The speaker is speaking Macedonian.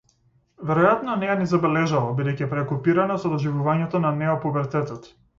Веројатно не ја ни забележала, бидејќи е преокупирана со доживувањето на неопубертетот.